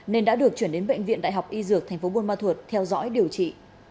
nên đã được chuyển đến bệnh viện đại học y dược tp buôn ma thuột theo dõi điều trị